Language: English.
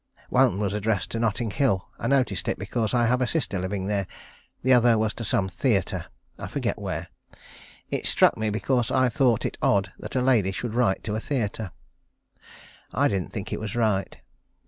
One was addressed to Notting Hill. I noticed that because I have a sister living there; the other was to some theatre. I forget where. It struck me, because I thought it odd that a lady should write to a theatre. I didn't think it was right.